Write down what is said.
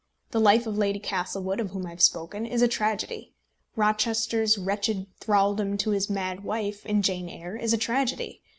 The life of Lady Castlewood, of whom I have spoken, is a tragedy. Rochester's wretched thraldom to his mad wife, in Jane Eyre, is a tragedy.